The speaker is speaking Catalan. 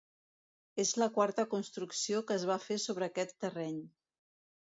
És la quarta construcció que es va fer sobre aquest terreny.